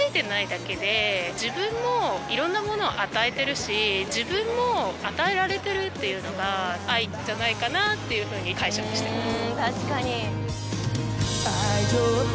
自分も色んなものを与えてるし自分も与えられてるっていうのが愛じゃないかなっていうふうに解釈してます